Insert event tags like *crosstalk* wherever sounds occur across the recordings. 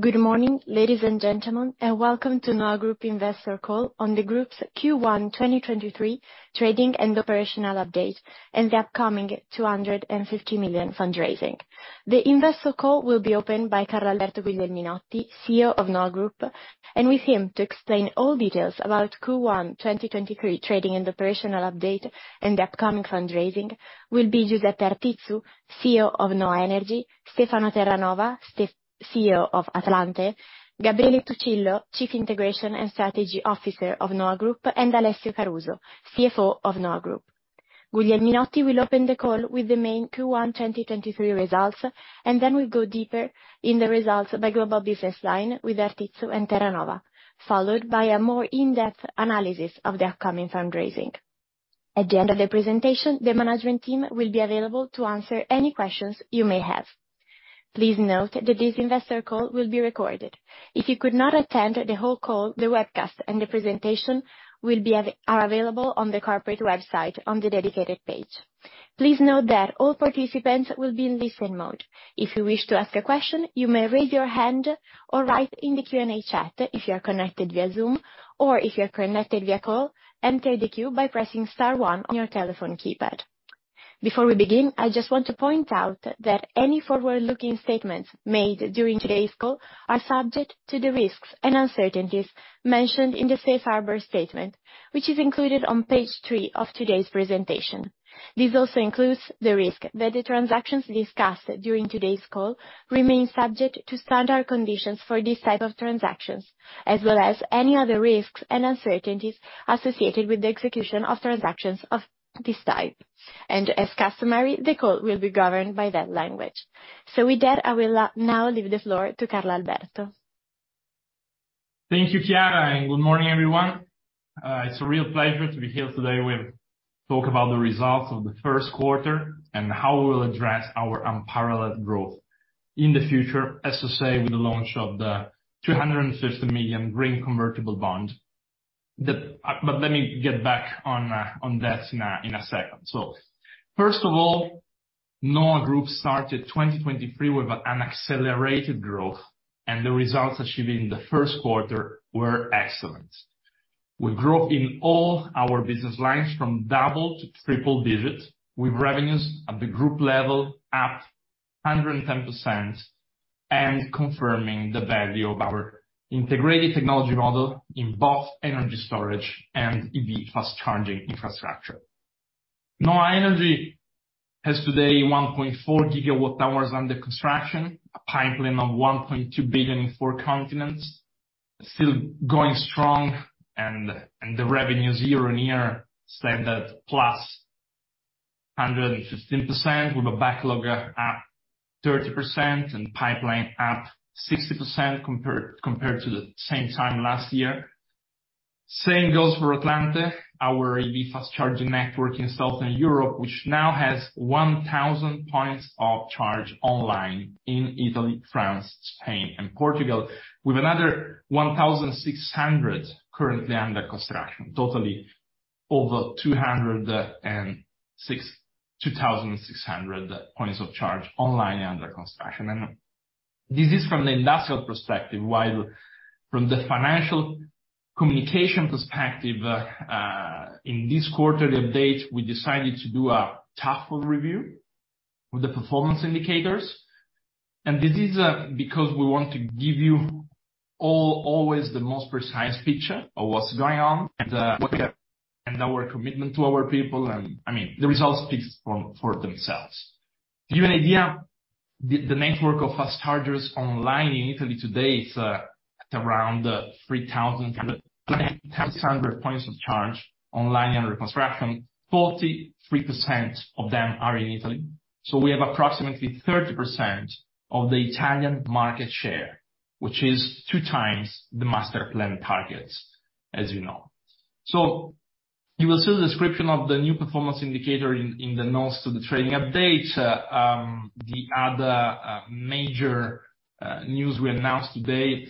Good morning, ladies and gentlemen, and welcome to NHOA Group investor call on the group's Q1 2023 trading and operational update, and the upcoming 250 million fundraising. The investor call will be opened by Carlalberto Guglielminotti, CEO of NHOA Group, and with him to explain all details about Q1 2023 trading and operational update and the upcoming fundraising will be Giuseppe Artizzu, CEO of NHOA Energy, Stefano Terranova, CEO of Atlante, Gabriele Tuccillo, Chief Integration and Strategy Officer of NHOA Group, and Alessio Caruso, CFO of NHOA Group. Guglielminotti will open the call with the main Q1 2023 results, and then we'll go deeper in the results by global business line with Artizzu and Terranova, followed by a more in-depth analysis of the upcoming fundraising. At the end of the presentation, the management team will be available to answer any questions you may have. Please note that this investor call will be recorded. If you could not attend the whole call, the webcast and the presentation are available on the corporate website on the dedicated page. Please note that all participants will be in listen mode. If you wish to ask a question, you may raise your hand or write in the Q&A chat if you are connected via Zoom, or if you are connected via call, enter the queue by pressing star one on your telephone keypad. Before we begin, I just want to point out that any forward-looking statements made during today's call are subject to the risks and uncertainties mentioned in the Safe Harbor statement, which is included on page three of today's presentation. This also includes the risk that the transactions discussed during today's call remain subject to standard conditions for this type of transactions, as well as any other risks and uncertainties associated with the execution of transactions of this type. As customary, the call will be governed by that language. With that, I will now leave the floor to Carlalberto. Thank you, Chiara. Good morning, everyone. It's a real pleasure to be here today. Talk about the results of the first quarter and how we'll address our unparalleled growth in the future, as to say, with the launch of the 250 million Green Convertible Bond. Let me get back on that in a second. First of all, NHOA Group started 2023 with an accelerated growth. The results achieved in the first quarter were excellent. We grew in all our business lines from double to triple digits, with revenues at the group level up 110% and confirming the value of our integrated technology model in both energy storage and EV fast charging infrastructure. NHOA Energy has today 1.4 GWh under construction, a pipeline of 1.2 billion in four continents, still going strong and the revenues year-on-year stand at +115% with a backlog at 30% and pipeline at 60% compared to the same time last year. Same goes for Atlante, our EV fast charging network in Southern Europe, which now has 1,000 points of charge online in Italy, France, Spain, and Portugal, with another 1,600 currently under construction, totally over 2,600 points of charge online and under construction. This is from the industrial perspective, while from the financial communication perspective, in this quarterly update, we decided to do a tougher review of the performance indicators. This is because we want to give you always the most precise picture of what's going on and what *audio distortion* and our commitment to our people. I mean, the results speaks for themselves. To give you an idea, the network of fast chargers online in Italy today is at around [3,020] points of charge online and under construction. 43% of them are in Italy. We have approximately 30% of the Italian market share, which is two times the Masterplan targets, as you know. You will see the description of the new performance indicator in the notes to the trading update. The other major news we announced today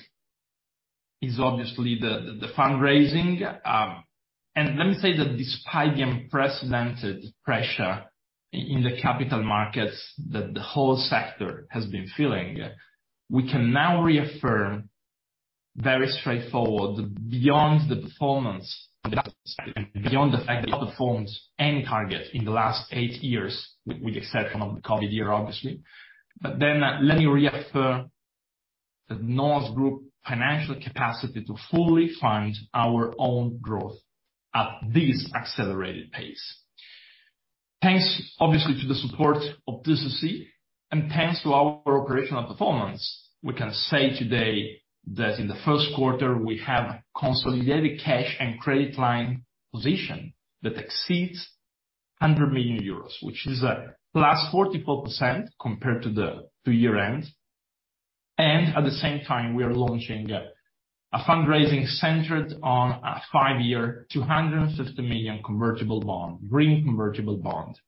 is obviously the fundraising. Let me say that despite the unprecedented pressure in the capital markets that the whole sector has been feeling, we can now reaffirm very straightforward, beyond the performance, beyond the fact that it performs any target in the last eight years with exception of the COVID year, obviously. Let me reaffirm that NHOA Group financial capacity to fully fund our own growth at this accelerated pace. Thanks obviously to the support of TCC and thanks to our operational performance, we can say today that in the first quarter we have a consolidated cash and credit line position that exceeds 100 million euros, which is +44% compared to the year end. At the same time, we are launching a fundraising centered on a five-year, 250 million Green Convertible Bond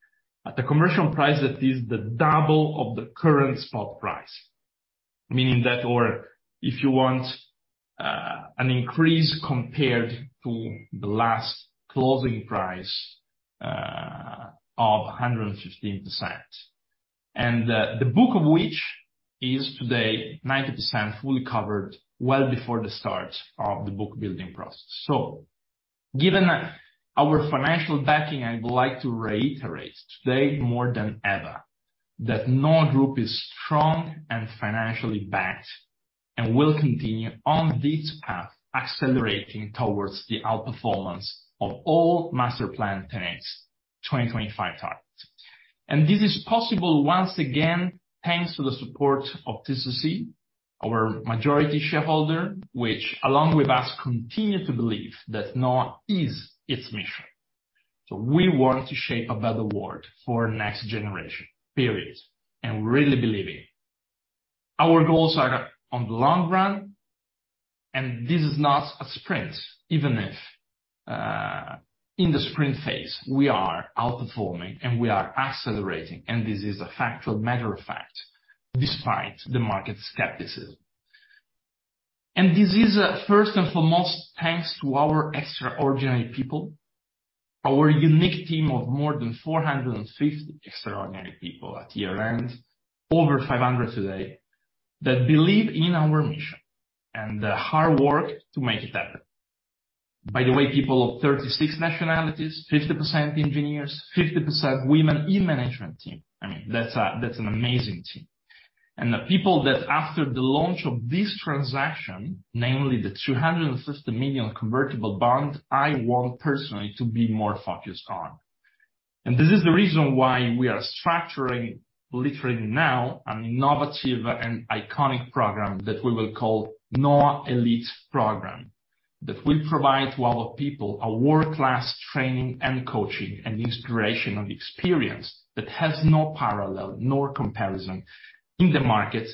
at a commercial price that is the double of the current spot price. Meaning that, or if you want, an increase compared to the last closing price of 115%. The book of which is today 90% fully covered well before the start of the book-building process. Given our financial backing, I would like to reiterate today more than ever that NHOA Group is strong and financially backed, and will continue on this path, accelerating towards the outperformance of all Masterplan10x 2025 targets. This is possible once again thanks to the support of TCC, our majority shareholder, which along with us continue to believe that NHOA is its mission. We want to shape a better world for next generation, period. We really believe it. Our goals are on the long run, and this is not a sprint, even if, in the sprint phase we are outperforming and we are accelerating, and this is a factual matter of fact, despite the market skepticism. This is, first and foremost thanks to our extraordinary people, our unique team of more than 450 extraordinary people at year-end, over 500 today, that believe in our mission and the hard work to make it happen. By the way, people of 36 nationalities, 50% engineers, 50% women in management team. I mean, that's an amazing team. The people that after the launch of this transaction, namely the 250 million convertible bond, I want personally to be more focused on. This is the reason why we are structuring literally now an innovative and iconic program that we will call NHOA Élite Program. That will provide to our people a world-class training and coaching and inspirational experience that has no parallel nor comparison in the market,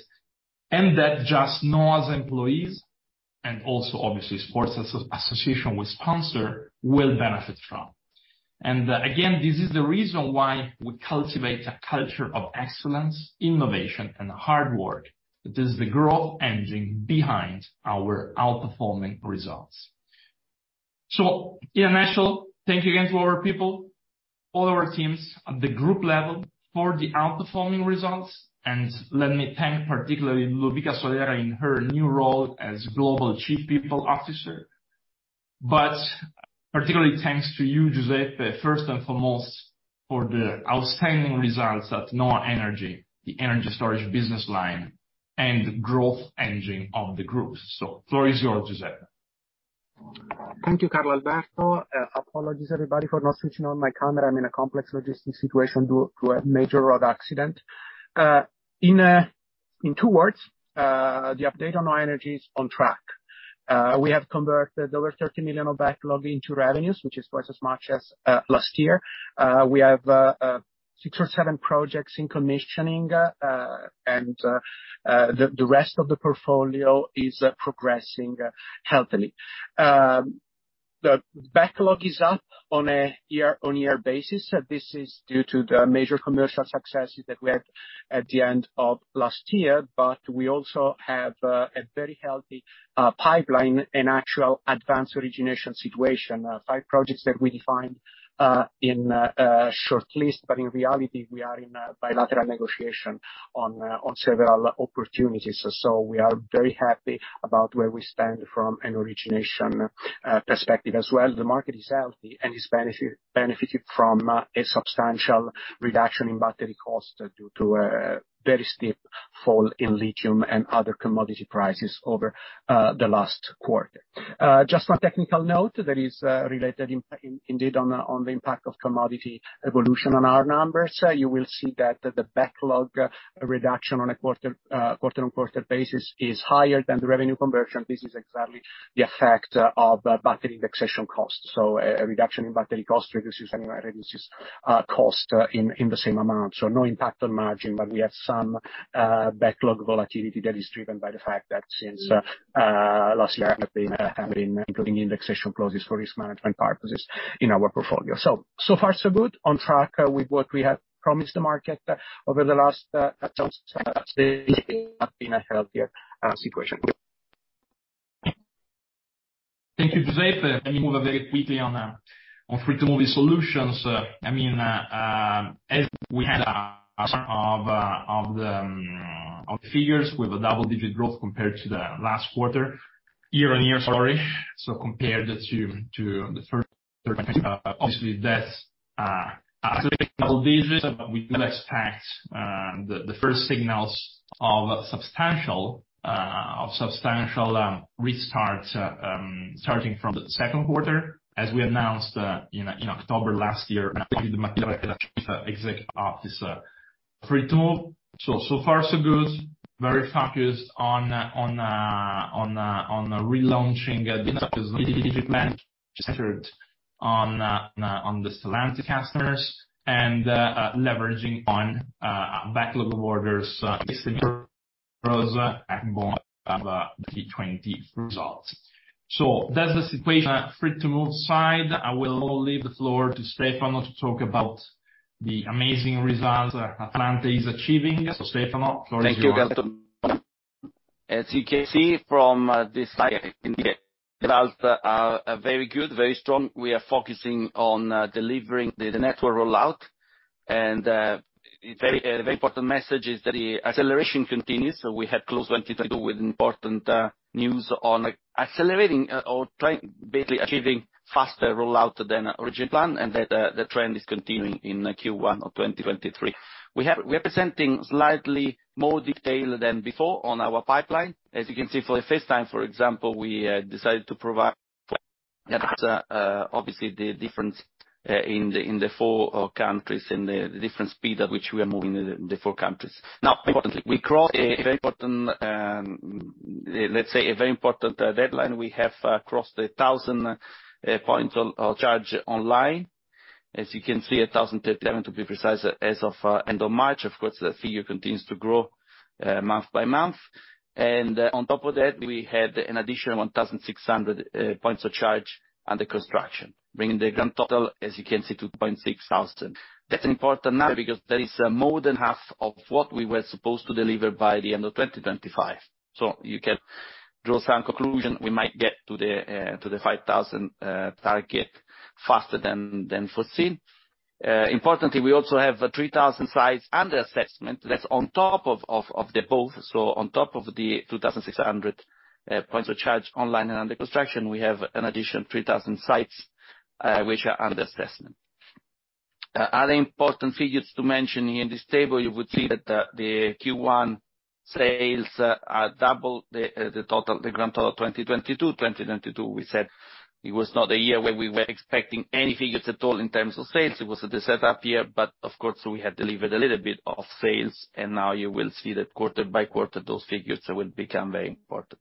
and that just NHOA's employees, and also obviously sports association with sponsor, will benefit from. Again, this is the reason why we cultivate a culture of excellence, innovation and hard work. It is the growth engine behind our outperforming results. In a nutshell, thank you again to all our people, all our teams at the group level for the outperforming results. Let me thank particularly Ludovica Solera in her new role as Global Chief People Officer. Particularly thanks to you, Giuseppe, first and foremost for the outstanding results at NHOA Energy, the energy storage business line and growth engine of the group. Floor is yours, Giuseppe. Thank you, Carlalberto. Apologies everybody for not switching on my camera. I'm in a complex logistic situation due a major road accident. In two words, the update on NHOA Energy is on track. We have converted over 13 million of backlog into revenues, which is twice as much as last year. We have six or seven projects in commissioning, and the rest of the portfolio is progressing healthily. The backlog is up on a year-on-year basis. This is due to the major commercial successes that we had at the end of last year. We also have a very healthy pipeline and actual advanced origination situation. Five projects that we defined in shortlist, but in reality we are in a bilateral negotiation on several opportunities. We are very happy about where we stand from an origination perspective as well. The market is healthy and is benefited from a substantial reduction in battery costs due to a very steep fall in lithium and other commodity prices over the last quarter. Just one technical note that is related indeed on the impact of commodity evolution on our numbers. You will see that the backlog reduction on a quarter-on-quarter basis is higher than the revenue conversion. This is exactly the effect of battery indexation costs. A reduction in battery cost reduces revenue, reduces cost in the same amount. No impact on margin. We have some backlog volatility that is driven by the fact that since last year we have been including indexation clauses for risk management purposes in our portfolio. So far so good. On track with what we have promised the market over the last *audio distortion* be in a healthier situation. Thank you, Giuseppe. Let me move very quickly on Free2move eSolutions. I mean, as we had *audio distortion* of the figures with a double-digit growth compared to the last quarter. Year-on-year, sorry. Compared to the first, *audio distortion* obviously that's *audio distortion* double digits. We do expect the first signals of substantial, of substantial restart, starting from the second quarter, as we announced in October last year, *audio distortion* executive officer Free2move. So far so good. Very focused on relaunching *audio distortion* centered on the Stellantis customers and leveraging on backlog of orders *audio distortion* 20 results. That's the situation Free2move side. I will leave the floor to Stefano to talk about the amazing results Atlante is achieving. Stefano, floor is yours. Thank you, Carlalberto. As you can see from this slide, *audio distortion* results are very good, very strong. We are focusing on delivering the network rollout. A very important message is that the acceleration continues. We had closed 2022 with important news on accelerating or basically achieving faster rollout than original plan, and that the trend is continuing in Q1 of 2023. We are presenting slightly more detail than before on our pipeline. As you can see for the first time, for example, we decided to provide *audio distortion* obviously the difference in the four countries, in the different speed at which we are moving in the four countries. Importantly, we crossed a very important, let's say, a very important deadline. We have crossed 1,000 points of charge online. As you can see, 1,037 to be precise, as of end of March. Of course, the figure continues to grow month-by-month. On top of that, we had an additional 1,600 points of charge under construction, bringing the grand total, as you can see, to [6,000]. That's an important number because that is more than half of what we were supposed to deliver by the end of 2025. You can draw some conclusion. We might get to the 5,000 target faster than foreseen. Importantly, we also have 3,000 sites under assessment that's on top of the above. On top of the 2,600 points of charge online and under construction, we have an additional 3,000 sites which are under assessment. Other important figures to mention here in this table, you would see that the Q1 sales are double the grand total of 2022. 2022, we said it was not a year where we were expecting any figures at all in terms of sales. It was the setup year, but of course, we had delivered a little bit of sales, and now you will see that quarter-by-quarter, those figures will become very important.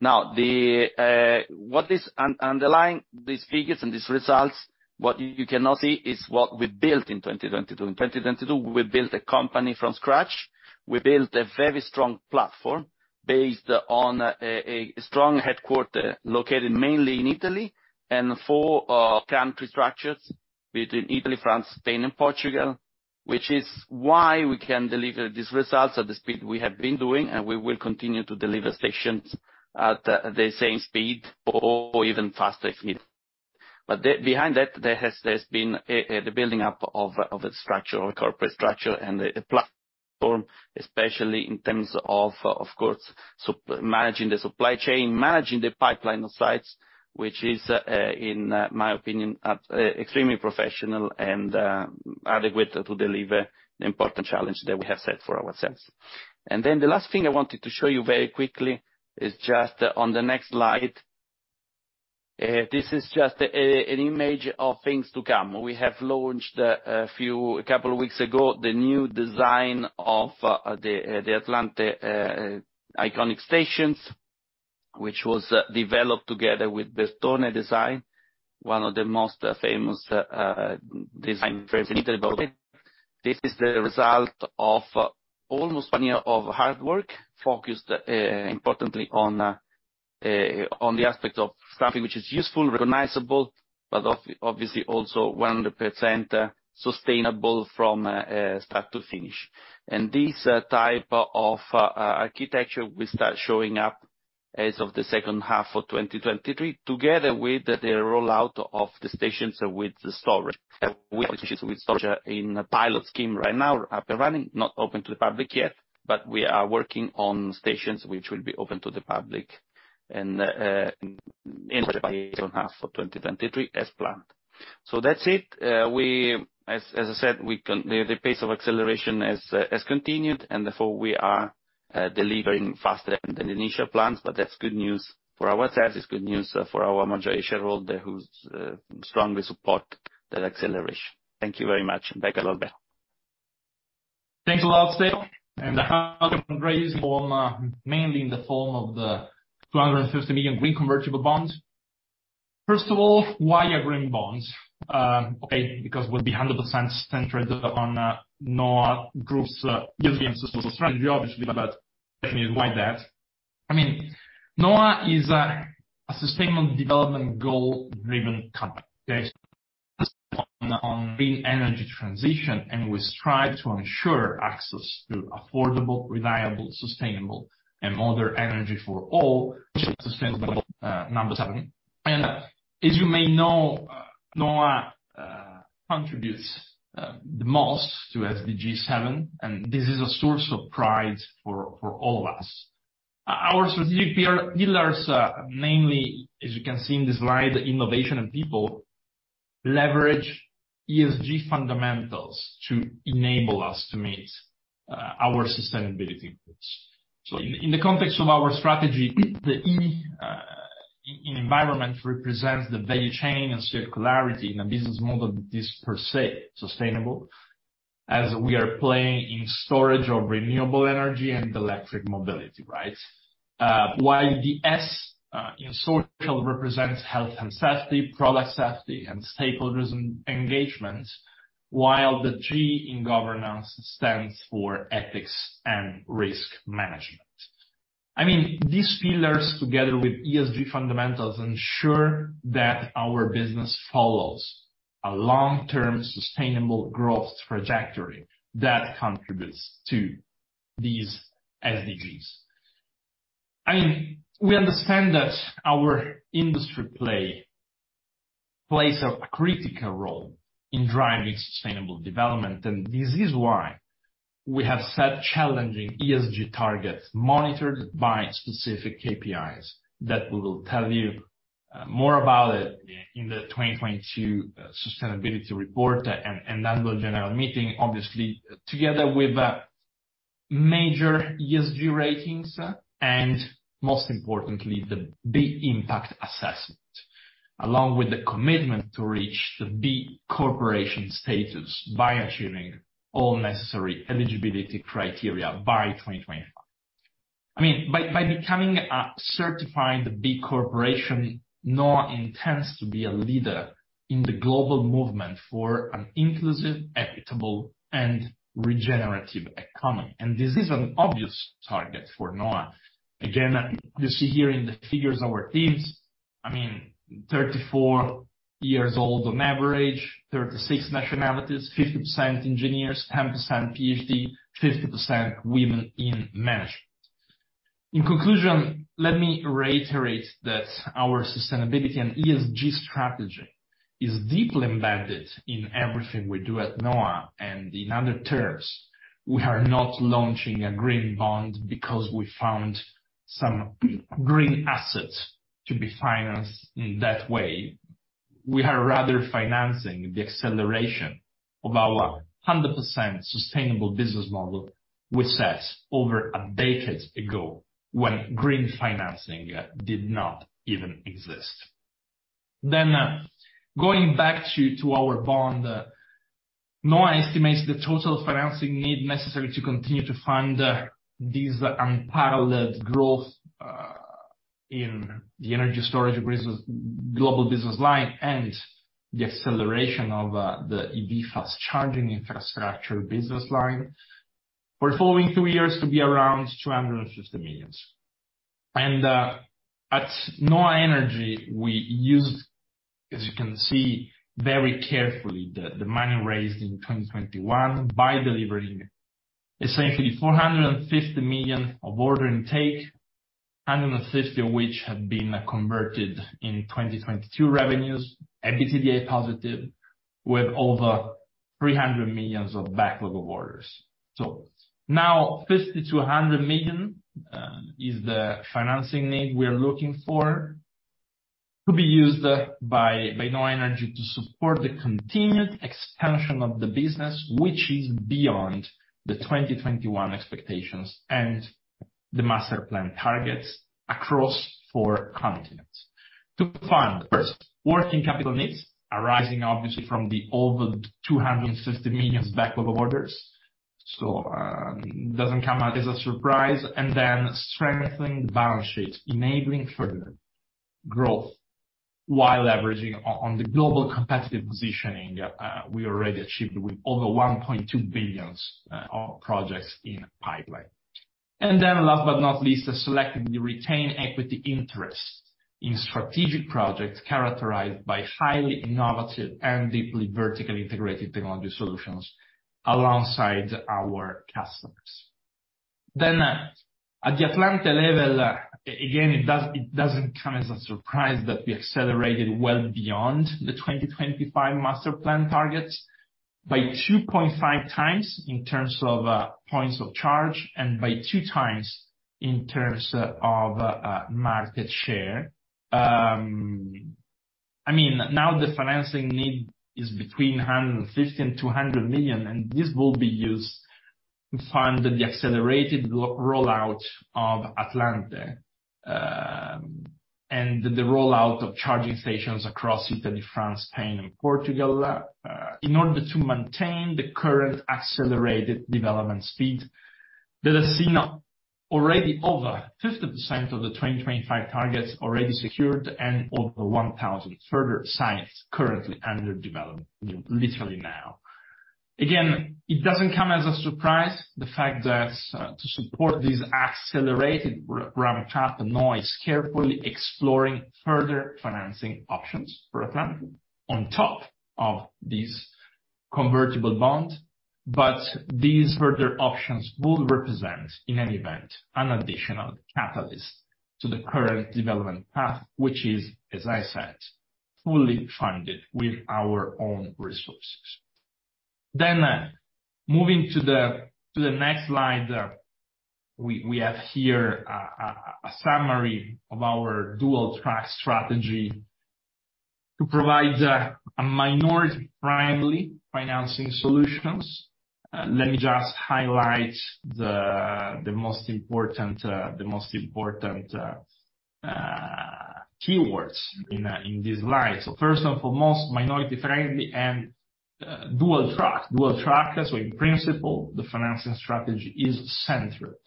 What is underlying these figures and these results, what you cannot see is what we built in 2022. In 2022, we built a company from scratch. We built a very strong platform based on a strong headquarter located mainly in Italy and four country structures between Italy, France, Spain, and Portugal, which is why we can deliver these results at the speed we have been doing, and we will continue to deliver stations at the same speed or even faster if need. Behind that, there's been a building up of a structure or corporate structure and a platform, especially in terms of, of course, managing the supply chain, managing the pipeline of sites, which is in my opinion extremely professional and adequate to deliver the important challenge that we have set for ourselves. The last thing I wanted to show you very quickly is just on the next slide. This is just an image of things to come. We have launched a couple of weeks ago, the new design of the Atlante iconic stations, which was developed together with Bertone Design, one of the most famous design firms in Italy. *audio distortion* This is the result of almost one year of hard work, focused importantly on the aspect of crafting which is useful, recognizable, but obviously also 100% sustainable from start to finish. This type of architecture will start showing up as of the second half of 2023, together with the rollout of the stations with the storage. *audio distortion* in a pilot scheme right now, up and running, not open to the public yet, but we are working on stations which will be open to the public and *audio distortion* second half of 2023 as planned. That's it. As I said, The pace of acceleration has continued, and therefore we are delivering faster than the initial plans, but that's good news. For ourselves, it's good news for our majority shareholder who strongly support that acceleration. Thank you very much. Back to Carlalberto. Thanks a lot, Stefano. *audio distortion* mainly in the form of the 250 million Green Convertible Bonds. First of all, why green bonds? Okay, because we'll be 100% centered on NHOA Group's *audio distortion* obviously, but the question is, why that? I mean, NHOA is a Sustainable Development Goal-driven company *audio distortion* on green energy transition, and we strive to ensure access to affordable, reliable, sustainable and modern energy for all *audio distortion* number seven. As you may know, NHOA contributes the most to SDG7, and this is a source of pride for all of us. Our strategic pillars, mainly, as you can see in this slide, innovation and people, leverage ESG fundamentals to enable us to meet our sustainability goals. In the context of our strategy, the E in environment represents the value chain and circularity in a business model that is per se sustainable, as we are playing in storage of renewable energy and electric mobility, right? While the S in social represents health and safety, product safety and stakeholder engagement, while the G in governance stands for ethics and risk management. I mean, these pillars, together with ESG fundamentals, ensure that our business follows a long-term sustainable growth trajectory that contributes to these SDGs. I mean, we understand that our industry plays a critical role in driving sustainable development, and this is why we have set challenging ESG targets monitored by specific KPIs that we will tell you more about it in the 2022 sustainability report and annual general meeting. Obviously, together with major ESG ratings, and most importantly, the B Impact Assessment. Along with the commitment to reach the B Corporation status by achieving all necessary eligibility criteria by 2025. I mean, by becoming a certified B Corporation, NHOA intends to be a leader in the global movement for an inclusive, equitable, and regenerative economy. This is an obvious target for NHOA. Again, you see here in the figures our teams, I mean, 34 years old on average, 36 nationalities, 50% engineers, 10% PhD, 50% women in management. In conclusion, let me reiterate that our sustainability and ESG strategy is deeply embedded in everything we do at NHOA. In other terms, we are not launching a green bond because we found some green assets to be financed in that way. We are rather financing the acceleration of our 100% sustainable business model we set over a decade ago when green financing did not even exist. Going back to our bond, NHOA estimates the total financing need necessary to continue to fund these unparalleled growth in the energy storage business, global business line, and the acceleration of the EV fast charging infrastructure business line for the following two years to be around 250 million. At NHOA Energy, we use, as you can see, very carefully the money raised in 2021 by delivering essentially 450 million of order intake, 150 million of which have been converted in 2022 revenues, EBITDA positive, with over 300 million of backlog of orders. Now 50 million-100 million is the financing need we're looking for to be used by NHOA Energy to support the continued expansion of the business, which is beyond the 2021 expectations and the Masterplan targets across four continents. To fund first, working capital needs arising obviously from the over 250 million backlog of orders. Doesn't come as a surprise. Strengthening the balance sheet, enabling further growth while leveraging on the global competitive positioning we already achieved with over 1.2 billion of projects in pipeline. Last but not least, selectively retain equity interest in strategic projects characterized by highly innovative and deeply vertically integrated technology solutions alongside our customers. At the Atlante level, again, it doesn't come as a surprise that we accelerated well beyond the 2025 Masterplan targets by 2.5x in terms of points of charge, and by 2x in terms of market share. I mean, now the financing need is between 150 million and 200 million, and this will be used to fund the accelerated rollout of Atlante, and the rollout of charging stations across Italy, France, Spain, and Portugal, in order to maintain the current accelerated development speed that has seen already over 50% of the 2025 targets already secured and over 1,000 further sites currently under development, literally now. Again, it doesn't come as a surprise the fact that, to support this accelerated ramp-up, NHOA is carefully exploring further financing options for Atlante on top of these convertible bonds. These further options both represent, in any event, an additional catalyst to the current development path, which is, as I said, fully funded with our own resources. Moving to the next slide, we have here a summary of our dual-track strategy to provide a minority-friendly financing solutions. Let me just highlight the most important keywords in this slide. First and foremost, minority-friendly and dual track. Dual track, in principle, the financing strategy is centered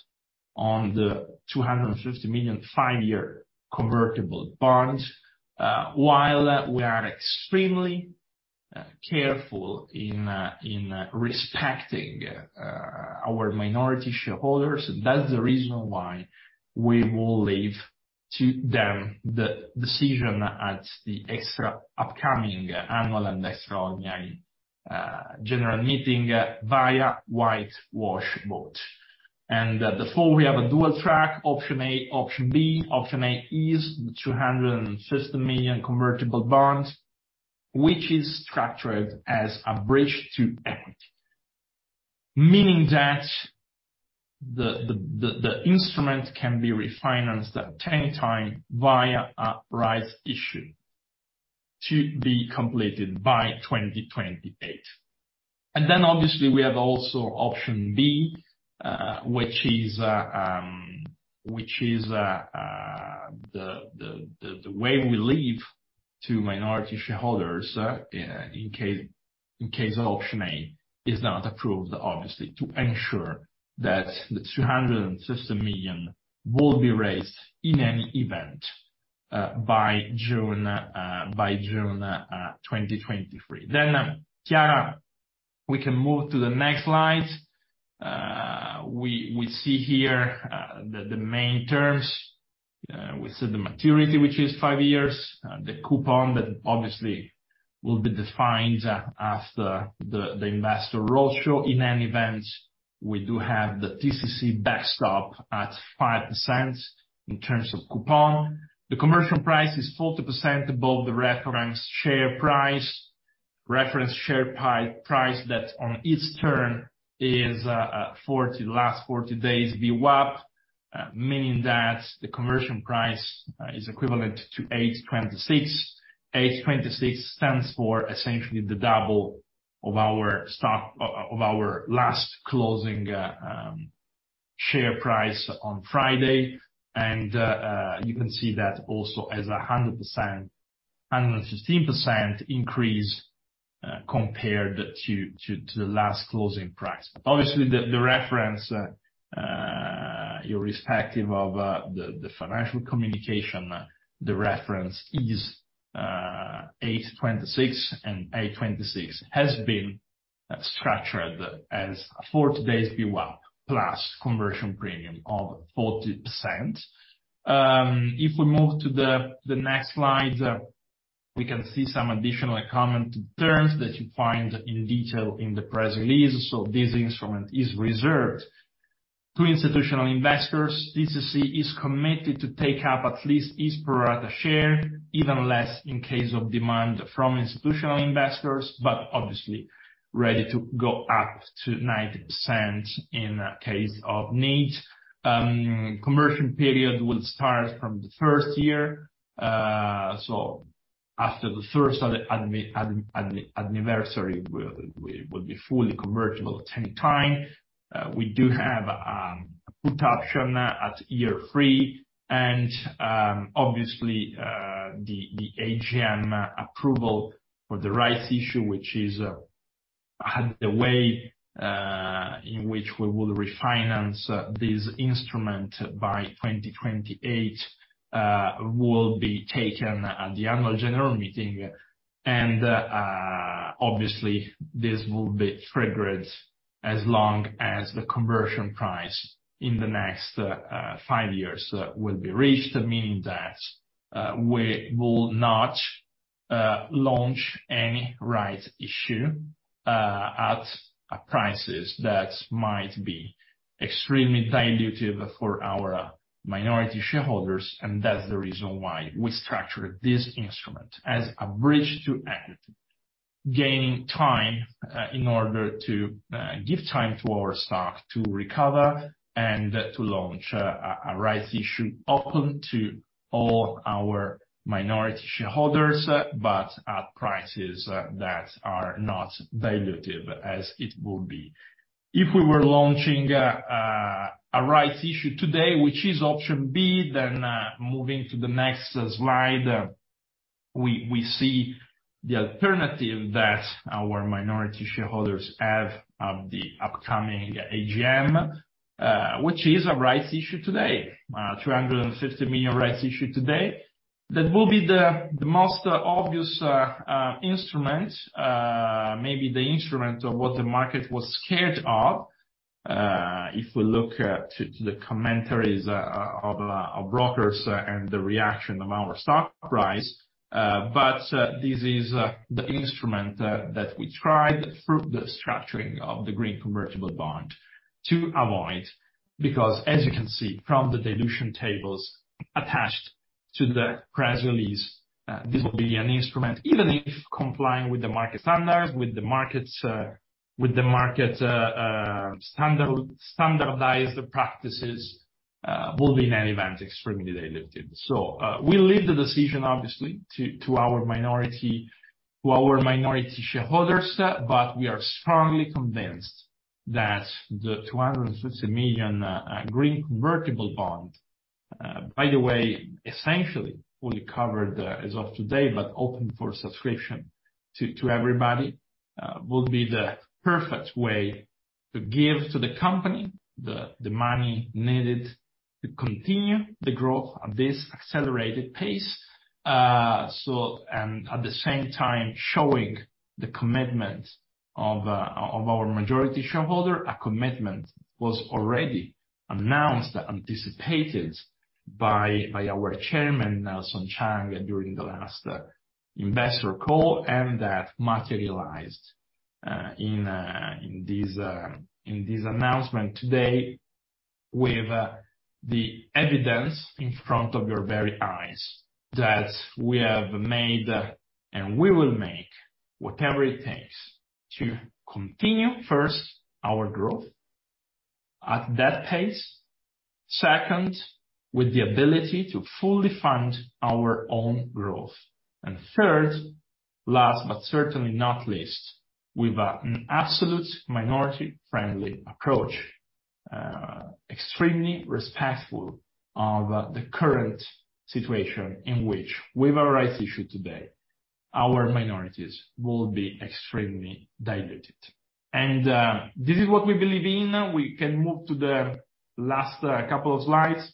on the 250 million five-year convertible bond, while we are extremely careful in respecting our minority shareholders. That's the reason why we will leave to them the decision at the extra upcoming annual and Extraordinary General Meeting via whitewash vote. Therefore, we have a dual track, option A, option B. Option A is the 250 million convertible bonds, which is structured as a bridge to equity, meaning that the instrument can be refinanced at any time via a rights issue to be completed by 2028. Obviously, we have also option B, which is the way we leave to minority shareholders, in case option A is not approved, obviously, to ensure that 250 million will be raised in any event by June 2023. Chiara, we can move to the next slide. We see here the main terms. We see the maturity, which is five years, the coupon that obviously will be defined after the investor roadshow. In any event, we do have the TCC backstop at 5% in terms of coupon. The conversion price is 40% above the reference share price. Reference share price that on its turn is 40, the last 40 days VWAP, meaning that the conversion price is equivalent to 8.26. 8.26 stands for essentially the double of our last closing share price on Friday. You can see that also as a 100%, [116]% increase compared to the last closing price. Obviously, the reference irrespective of the financial communication, the reference is 8.26, and 8.26 has been structured as 40 days VWAP plus conversion premium of 40%. If we move to the next slide, we can see some additional common terms that you find in detail in the press release. This instrument is reserved to institutional investors. TCC is committed to take up at least its pro rata share, even less in case of demand from institutional investors, but obviously ready to go up to 90% in case of need. Conversion period will start from the first year. After the first anniversary, it will be fully convertible at any time. We do have a put option at year three and obviously the AGM approval for the rights issue, which is the way in which we will refinance this instrument by 2028, will be taken at the annual general meeting. Obviously, this will be triggered as long as the conversion price in the next five years will be reached, meaning that we will not launch any rights issue at prices that might be extremely dilutive for our minority shareholders. That's the reason why we structured this instrument as a bridge to equity, gaining time in order to give time to our stock to recover and to launch a rights issue open to all our minority shareholders, but at prices that are not dilutive as it will be. If we were launching a rights issue today, which is option B, moving to the next slide, we see the alternative that our minority shareholders have at the upcoming AGM, which is a rights issue today, a 250 million rights issue today. That will be the most obvious instrument, maybe the instrument of what the market was scared of, if we look at the commentaries of brokers and the reaction of our stock price. This is the instrument that we tried through the structuring of the Green Convertible Bond to avoid, because as you can see from the dilution tables attached to the press release, this will be an instrument, even if complying with the market standards, with the market's, with the market's standardized practices, will be in any event extremely dilutive. We'll leave the decision obviously to our minority shareholders, but we are strongly convinced that the 250 million Green Convertible Bond, by the way, essentially fully covered as of today, but open for subscription to everybody. Would be the perfect way to give to the company the money needed to continue the growth at this accelerated pace. At the same time showing the commitment of our majority shareholder. A commitment was already announced, anticipated by our Chairman, Nelson Chang, during the last investor call. That materialized in this announcement today, with the evidence in front of your very eyes that we have made, and we will make whatever it takes to continue, first, our growth at that pace. Second, with the ability to fully fund our own growth. Third, last but certainly not least, with an absolute minority friendly approach, extremely respectful of the current situation in which we have a rights issue today. Our minorities will be extremely diluted. This is what we believe in. We can move to the last couple of slides.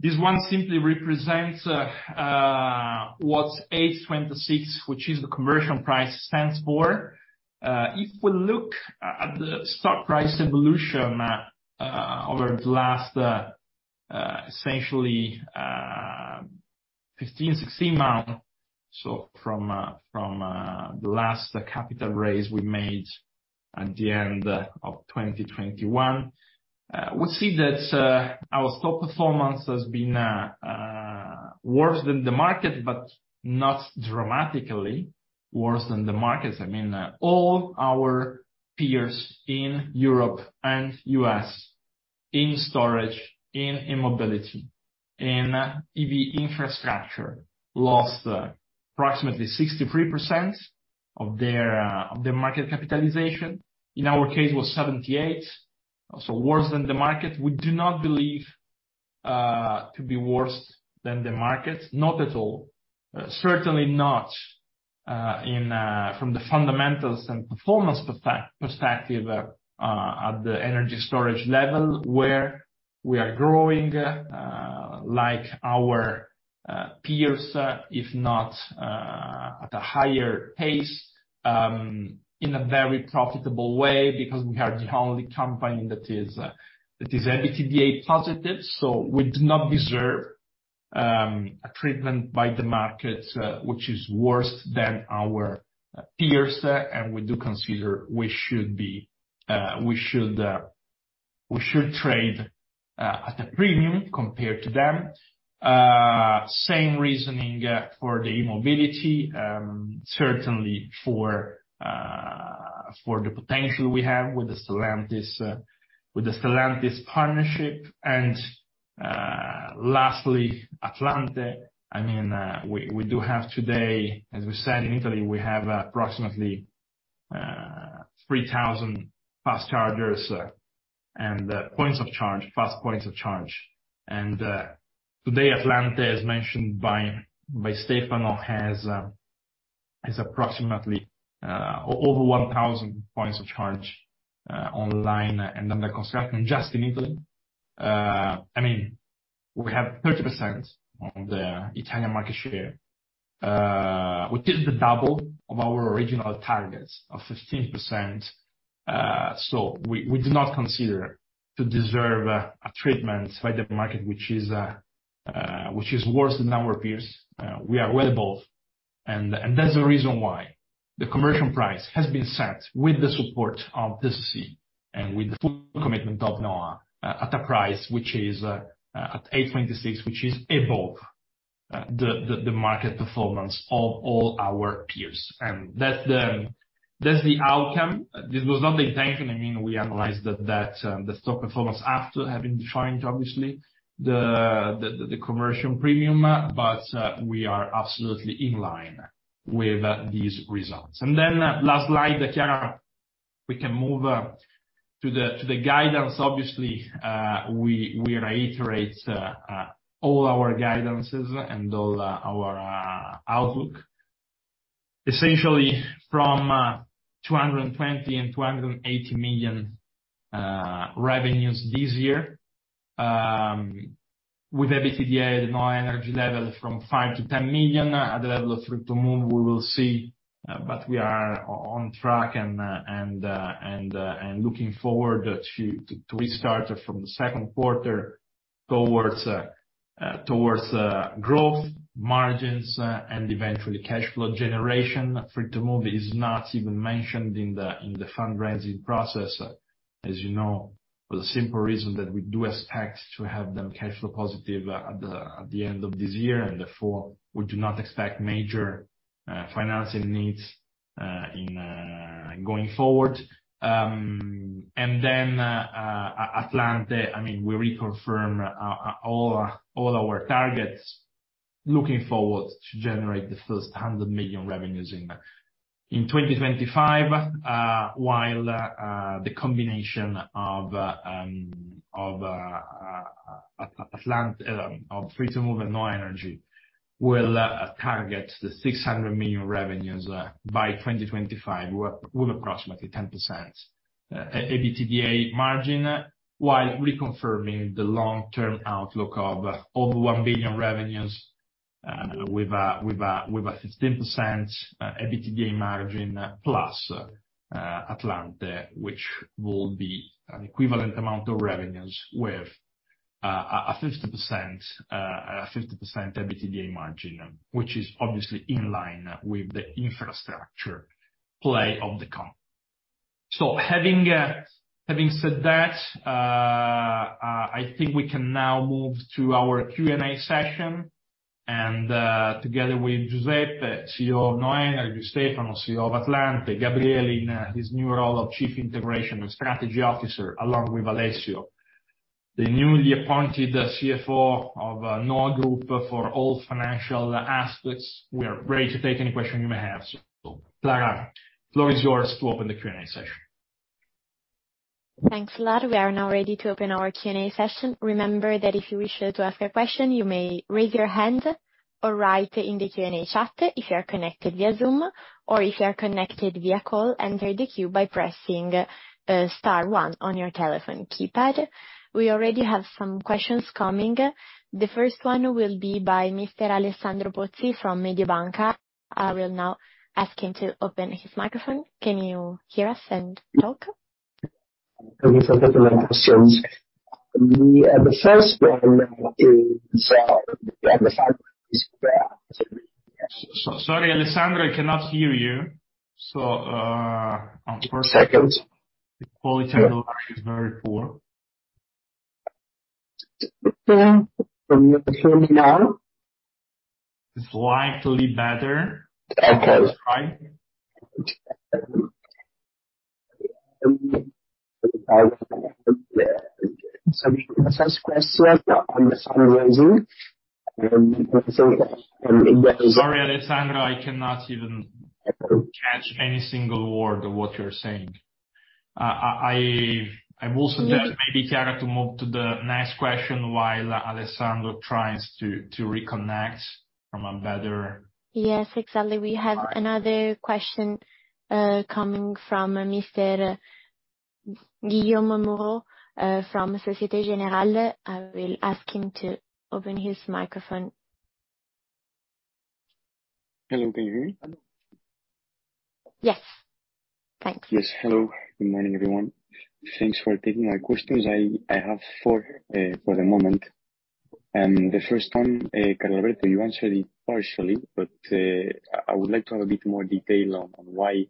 This one simply represents what's 8.26, which is the conversion price stands for. If we look at the stock price evolution over the last essentially 15, 16 months. From the last capital raise we made at the end of 2021. We see that our stock performance has been worse than the market, but not dramatically worse than the markets. I mean, all our peers in Europe and US, in storage, in e-mobility, in EV infrastructure, lost approximately 63% of their market capitalization. In our case, it was 78%, so worse than the market. We do not believe to be worse than the market. Not at all. Certainly not from the fundamentals and performance perspective at the energy storage level, where we are growing like our peers, if not at a higher pace, in a very profitable way, because we are the only company that is EBITDA positive, we do not deserve a treatment by the market which is worse than our peers. We do consider we should be, we should trade at a premium compared to them. Same reasoning for the e-mobility. Certainly for the potential we have with the Stellantis partnership. Lastly, Atlante. I mean, we do have today, as we said, in Italy, we have approximately 3,000 fast chargers and points of charge, fast points of charge. Today, Atlante, as mentioned by Stefano, has approximately over 1,000 points of charge online. Under construction, just in Italy. I mean, we have 30% of the Italian market share, which is the double of our original targets of 15%. So we do not consider to deserve a treatment by the market which is worse than our peers. We are well above. That's the reason why the conversion price has been set with the support of TCC and with the full commitment of NHOA at a price which is at 8.26, which is above the market performance of all our peers. That's the outcome. This was not the intention. I mean, we analyzed that the stock performance after having defined, obviously, the conversion premium, we are absolutely in line with these results. Last slide, Chiara, we can move to the guidance, obviously. We reiterate all our guidances and all our outlook, essentially from 220 million and 280 million revenues this year. With EBITDA at NHOA Energy level from 5 million-10 million. At the level of Free2move, we will see. We are on track and looking forward to restart from the second quarter towards growth margins and eventually cash flow generation. Free2move is not even mentioned in the fundraising process, as you know, for the simple reason that we do expect to have them cash flow positive at the end of this year. Therefore we do not expect major financing needs in going forward. Atlante, I mean, we reconfirm all our targets. Looking forward to generate the first 100 million revenues in 2025. While the combination of Atlan— of Free2move and NHOA Energy will target 600 million revenues by 2025 with approximately 10% EBITDA margin, while reconfirming the long-term outlook of over 1 billion revenues with a 15% EBITDA margin plus Atlante, which will be an equivalent amount of revenues with a 50% EBITDA margin, which is obviously in line with the infrastructure play of the comp. Having said that, I think we can now move to our Q&A session and, together with Giuseppe, CEO of NHOA Energy, and Stefano, CEO of Atlante, Gabriele in his new role of Chief Integration and Strategy Officer, along with Alessio, the newly appointed CFO of NHOA Group for all financial aspects. We are ready to take any questions you may have. Chiara, floor is yours to open the Q&A session. Thanks a lot. We are now ready to open our Q&A session. Remember that if you wish to ask a question, you may raise your hand or write in the Q&A chat if you are connected via Zoom, or if you are connected via call, enter the queue by pressing star one on your telephone keypad. We already have some questions coming. The first one will be by Mr. Alessandro Pozzi from Mediobanca. I will now ask him to open his microphone. Can you hear us and talk? *audio distortion* The first one is *audio distortion* Sorry, Alessandro, I cannot hear you. The quality is very poor. Can you hear me now? Slightly better. Okay. *audio distortion* Sorry, Alessandro, I cannot even catch any single word of what you're saying. I will suggest maybe Chiara to move to the next question while Alessandro tries to reconnect from a better- Yes, exactly. We have another question, coming from Mr. Guillaume Muros, from Societe Generale. I will ask him to open his microphone. Hello. Can you hear me? Yes. Thanks. Yes. Hello. Good morning, everyone. Thanks for taking my questions. I have four for the moment, and the first one, Carlalberto, you answered it partially, but I would like to have a bit more detail on why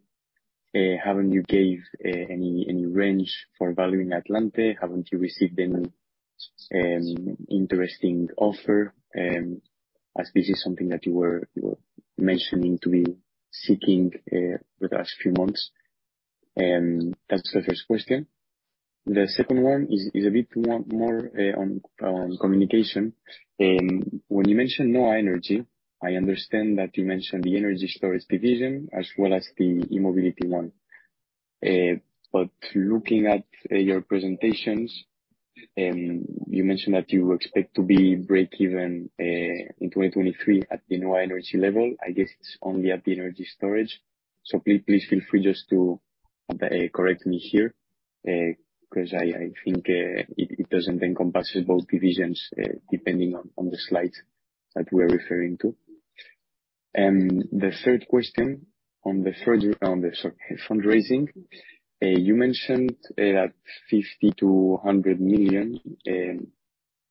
haven't you gave any range for valuing Atlante? Haven't you received any interesting offer as this is something that you were mentioning to be seeking with last few months? That's the first question. The second one is a bit more on communication. When you mention NHOA Energy, I understand that you mentioned the energy storage division as well as the e-mobility one. Looking at your presentations, you mentioned that you expect to be break even in 2023 at the NHOA Energy level. I guess it's only at the energy storage. Please feel free just to correct me here, 'cause I think it doesn't encompass both divisions, depending on the slide that we're referring to. The third question on the fundraising, you mentioned that 50 million-100 million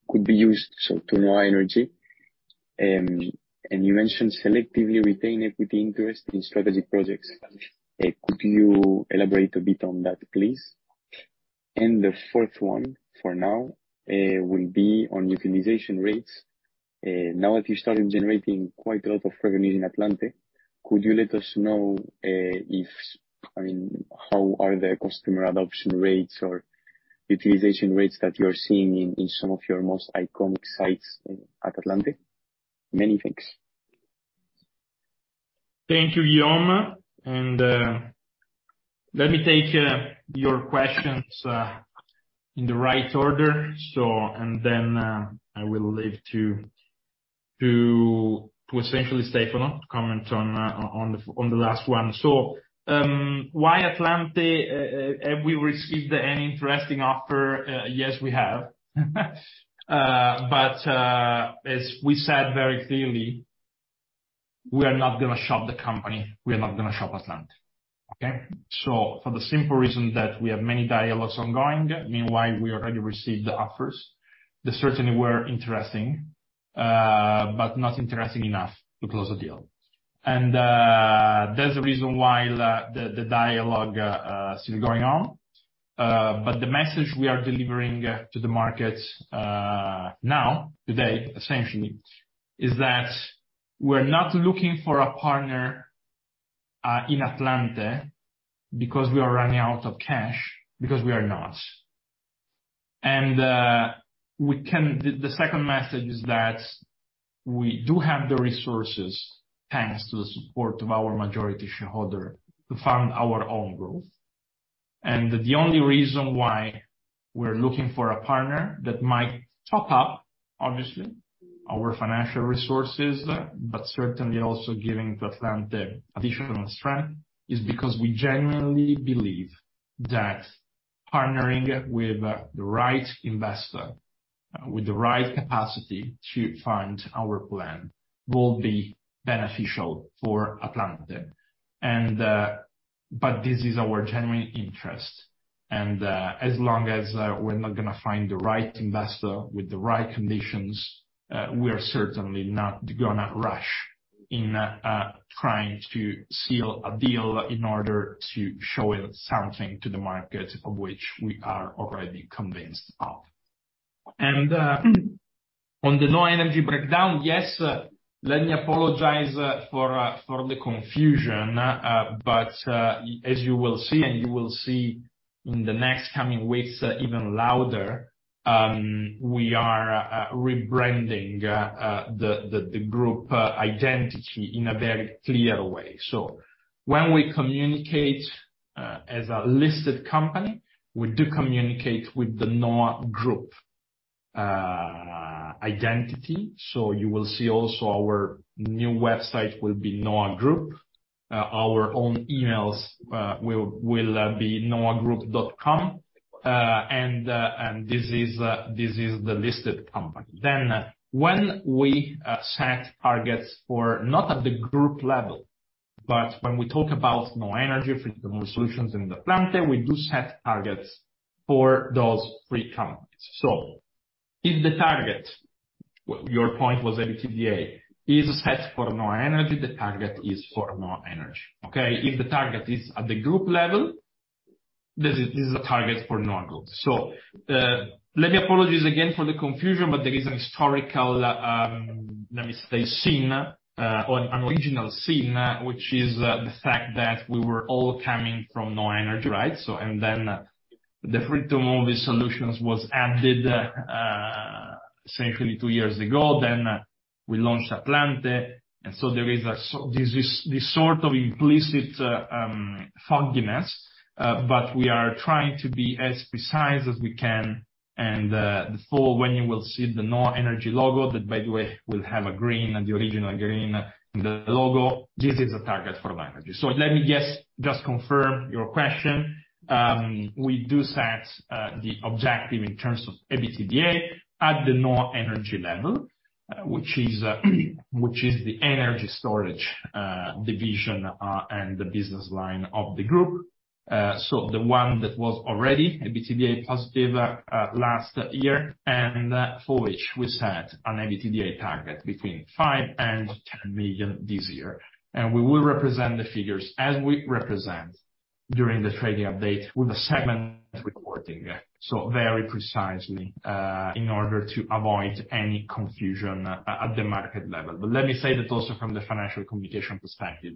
could be used so— to NHOA Energy, and you mentioned selectively retain equity interest in strategy projects. Could you elaborate a bit on that, please? The fourth one for now will be on utilization rates. Now that you started generating quite a lot of revenue in Atlante, could you let us know if, I mean, how are the customer adoption rates or utilization rates that you're seeing in some of your most iconic sites at Atlante? Many thanks. Thank you, Guillaume. Let me take your questions in the right order. I will leave to essentially Stefano comment on the last one. Why Atlante, have we received any interesting offer? Yes, we have. As we said very clearly, we are not gonna shop the company. We are not gonna shop Atlante. Okay? For the simple reason that we have many dialogues ongoing, meanwhile, we already received the offers. They certainly were interesting, but not interesting enough to close a deal. That's the reason why the dialogue is still going on. But the message we are delivering to the market now, today, essentially, is that we're not looking for a partner in Atlante because we are running out of cash, because we are not. The second message is that we do have the resources, thanks to the support of our majority shareholder, to fund our own growth. The only reason why we're looking for a partner that might top up, obviously, our financial resources, but certainly also giving to Atlante additional strength, is because we genuinely believe that partnering with the right investor, with the right capacity to fund our plan will be beneficial for Atlante. But this is our genuine interest, as long as we're not gonna find the right investor with the right conditions, we are certainly not gonna rush in trying to seal a deal in order to show something to the market of which we are already convinced of. On the NHOA Energy breakdown, yes, let me apologize for the confusion. But as you will see and you will see in the next coming weeks even louder, we are rebranding the group identity in a very clear way. When we communicate as a listed company, we do communicate with the NHOA Group identity. You will see also our new website will be NHOA Group. Our own emails will be nhoagroup.com. This is the listed company. When we set targets for not at the group level, but when we talk about NHOA Energy, Free2move eSolutions and Atlante, we do set targets for those three companies. If the target, your point was EBITDA, is set for NHOA Energy, the target is for NHOA Energy. Okay? If the target is at the group level, this is a target for NHOA Group. Let me apologize again for the confusion, but there is an historical, let me say scene, or an original scene, which is the fact that we were all coming from NHOA Energy, right? The Free2move eSolutions was added, essentially two years ago. Then we launched Atlante, there is this sort of implicit fogginess, but we are trying to be as precise as we can. When you will see the NHOA Energy logo, that by the way will have a green, the original green in the logo, this is a target for NHOA Energy. Let me just confirm your question. We do set the objective in terms of EBITDA at the NHOA Energy level, which is the energy storage division and the business line of the group. The one that was already EBITDA positive last year, and for which we set an EBITDA target between 5 million and 10 million this year. We will represent the figures as we represent during the trading update with the segment reporting. Very precisely, in order to avoid any confusion at the market level. Let me say that also from the financial communication perspective,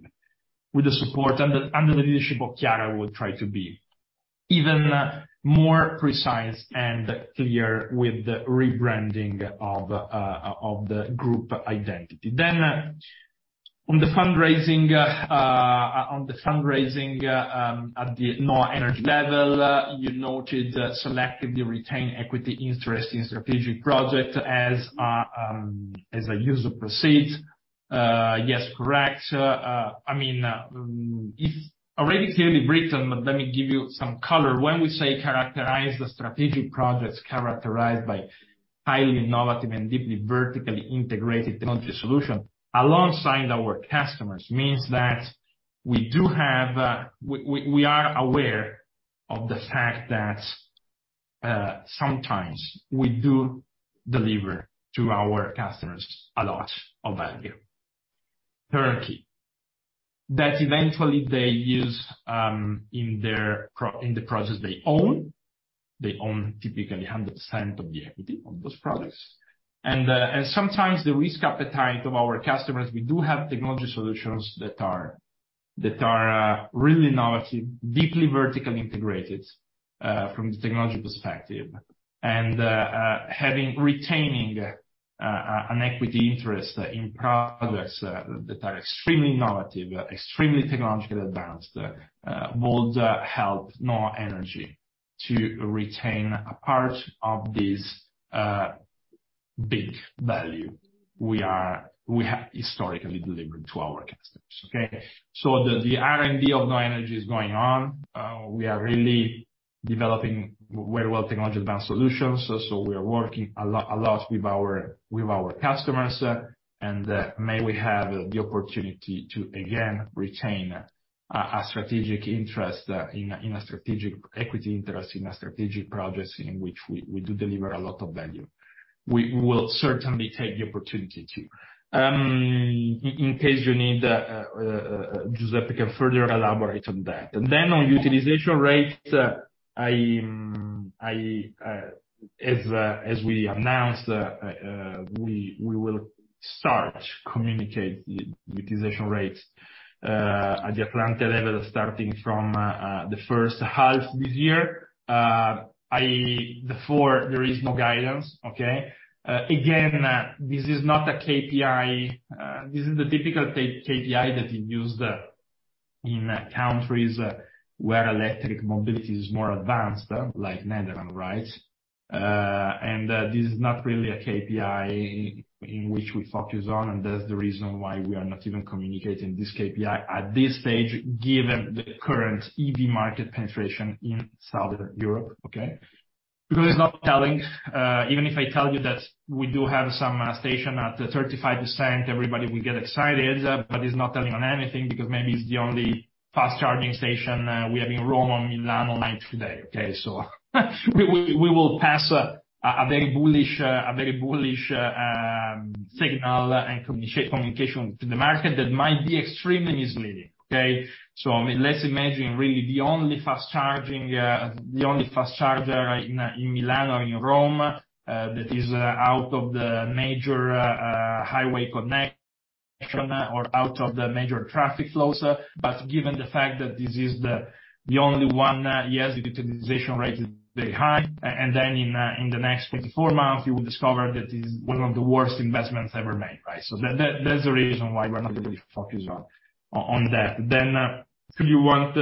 with the support and under the leadership of Chiara we'll try to be even more precise and clear with the rebranding of the group identity. On the fundraising, at the NHOA Energy level, you noted selectively retain equity interest in strategic projects as I use the proceeds. Yes, correct. I mean, it's already clearly written, let me give you some color. When we say characterize the strategic projects characterized by highly innovative and deeply vertically integrated technology solution alongside our customers, means that we do have, we are aware of the fact that sometimes we do deliver to our customers a lot of value. Thirdly, that eventually they use in the process they own, they own typically 100% of the equity of those products. Sometimes the risk appetite of our customers, we do have technology solutions that are really innovative, deeply vertically integrated from the technology perspective. Retaining an equity interest in products that are extremely innovative, extremely technologically advanced, would help NHOA Energy to retain a part of this big value we have historically delivered to our customers, okay? The R&D of NHOA Energy is going on. We are really developing very well technology advanced solutions. We are working a lot with our customers. May we have the opportunity to again retain a strategic interest in a strategic equity interest in strategic projects in which we do deliver a lot of value. We will certainly take the opportunity to. In case you need, Giuseppe can further elaborate on that. Then on utilization rates, I, as we announced, we will start communicate utilization rates at the Atlante level starting from the first half this year, i.e. therefore there is no guidance. Okay? Again, this is not a KPI. This is the typical KPI that you use in countries where electric mobility is more advanced, like Netherlands, right? This is not really a KPI in which we focus on, and that's the reason why we are not even communicating this KPI at this stage, given the current EV market penetration in Southern Europe. Okay. It's not telling, even if I tell you that we do have some station at 35%, everybody will get excited, but it's not telling on anything because maybe it's the only fast charging station we have in Rome or Milan online today. Okay. We will pass a very bullish, a very bullish signal and communication to the market that might be extremely misleading. Okay. Let's imagine really the only fast charging, the only fast charger in Milan or in Rome, that is out of the major highway connection or out of the major traffic flows. Given the fact that this is the only one, yes, the utilization rate is very high. In the next 24 months, you will discover that is one of the worst investments ever made, right? That, that's the reason why we're not really focused on that. If you want,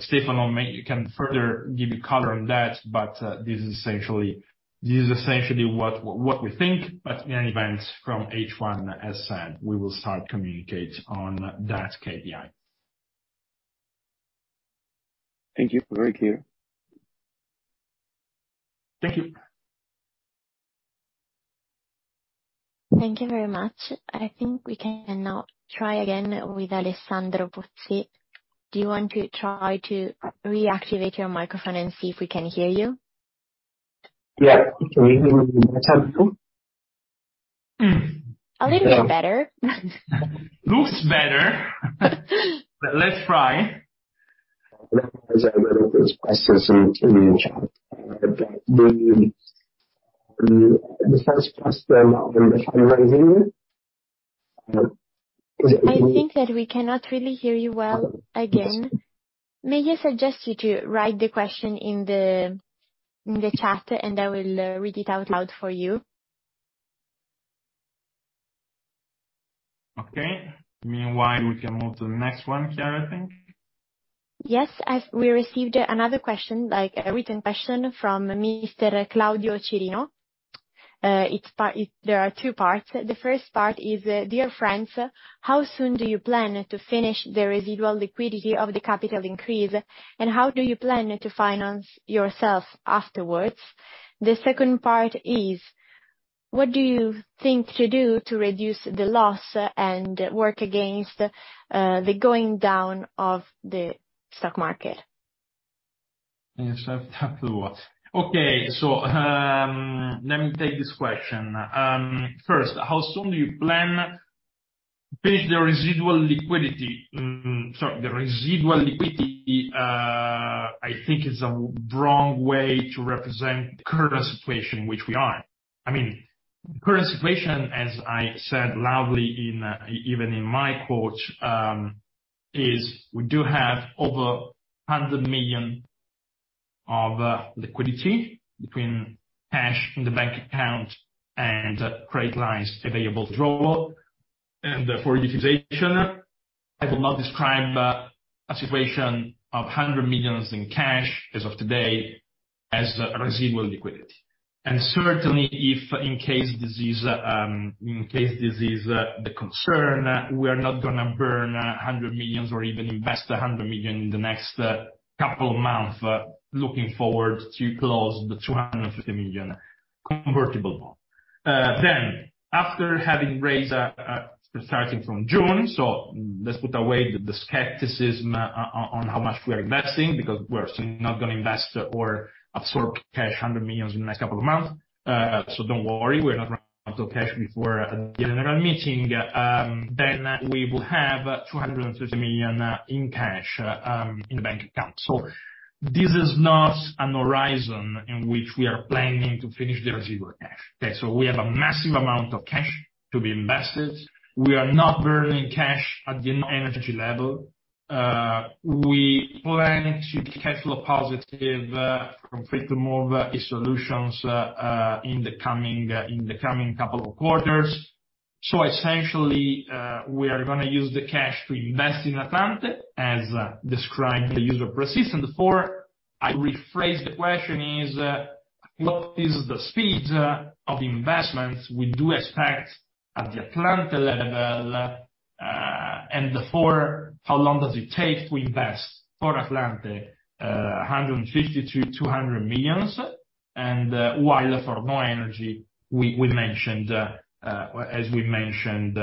Stefano can further give you color on that, but, this is essentially what we think. In any event from H1, as said, we will start communicate on that KPI. Thank you. Very clear. Thank you. Thank you very much. I think we can now try again with Alessandro Pozzi. Do you want to try to reactivate your microphone and see if we can hear you? Yeah. Can you hear a little bit better *audio distortion* A little bit better. Looks better. Let's try. *audio distortion* I think that we cannot really hear you well, again. May I suggest you to write the question in the, in the chat, and I will read it out loud for you. Okay. Meanwhile, we can move to the next one, Chiara, I think. We received another question, like a written question from Mr. Claudio Cirino. There are two parts. The first part is, "Dear friends, how soon do you plan to finish the residual liquidity of the capital increase, and how do you plan to finance yourselves afterwards?" The second part is, "What do you think to do to reduce the loss and work against the going down of the stock market? Yes. I have to watch. Okay. Let me take this question. First, how soon do you plan to finish the residual liquidity? Sorry, the residual liquidity, I think is a wrong way to represent current situation which we are. I mean, current situation, as I said loudly in, even in my quote, is we do have over 100 million of liquidity between cash in the bank account and credit lines available to draw and for utilization. I will not describe a situation of 100 million in cash as of today as a residual liquidity. Certainly, if in case this is, in case this is the concern, we are not gonna burn 100 million or even invest 100 million in the next couple of months, looking forward to close the 250 million convertible bond. Then, after having raised, starting from June, let's put away the skepticism on how much we are investing, because we're not going to invest or absorb cash 100 million in the next couple of months. Don't worry, we're not running out of cash before our general meeting. Then we will have 250 million in cash in the bank account. This is not a horizon in which we are planning to finish the residual cash. Okay? We have a massive amount of cash to be invested. We are not burning cash at the NHOA Energy level. We plan to be cash flow positive from Free2move eSolutions in the coming couple of quarters. Essentially, we are gonna use the cash to invest in Atlante as described the use of proceeds. Therefore, I rephrase the question is, what is the speed of investments we do expect at the Atlante level, and for how long does it take to invest for Atlante 150 million-200 million. While for NHOA Energy, we mentioned, as we mentioned,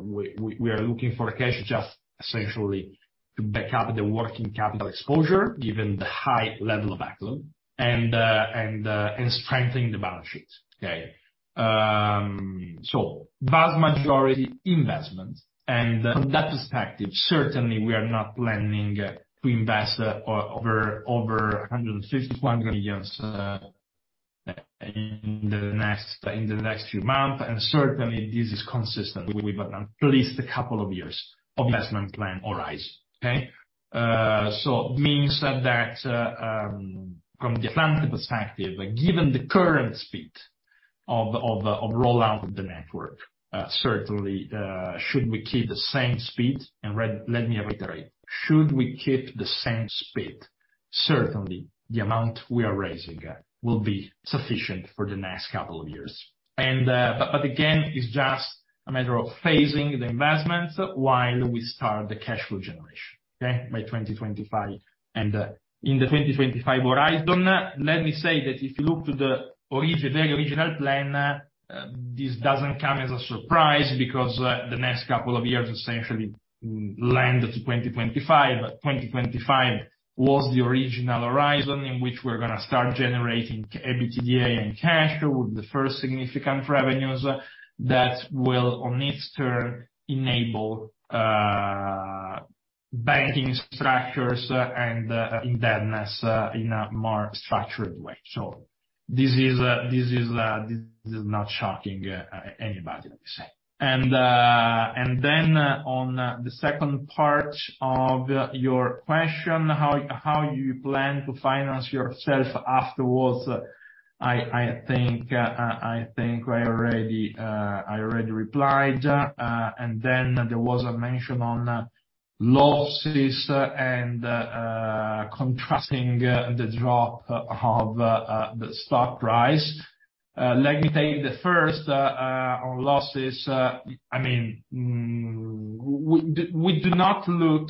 we are looking for cash just essentially to back up the working capital exposure given the high level of backlog and strengthening the balance sheet. Okay? Vast majority investment. From that perspective, certainly we are not planning to invest over EUR [160] million in the next few months. Certainly this is consistent with at least a couple of years of investment plan horizon. Okay? Means that from the Atlante perspective, given the current speed of rollout of the network. Certainly, should we keep the same speed and let me reiterate. Should we keep the same speed, certainly the amount we are raising will be sufficient for the next couple of years. But again, it's just a matter of phasing the investments while we start the cash flow generation. Okay? By 2025. In the 2025 horizon, let me say that if you look to the original plan, this doesn't come as a surprise because the next couple of years essentially land to 2025. 2025 was the original horizon in which we're gonna start generating EBITDA and cash with the first significant revenues that will on its turn enable banking structures and indebtedness in a more structured way. This is, this is not shocking anybody I would say. Then on the second part of your question, how you plan to finance yourself afterwards. I think I already replied. There was a mention on losses and contrasting the drop of the stock price. Let me tell you the first on losses, we do not look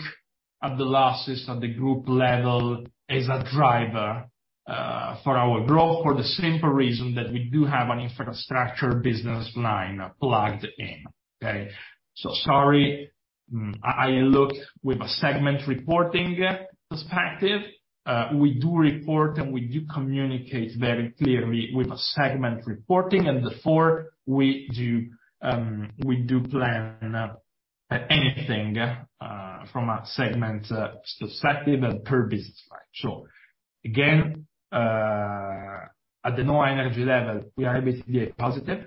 at the losses at the group level as a driver for our growth, for the simple reason that we do have an infrastructure business line plugged in. Okay? Sorry, I look with a segment reporting perspective. We do report and we do communicate very clearly with a segment reporting and therefore we do plan anything from a segment perspective and per business line. Again, at the NHOA Energy level, we are EBITDA positive.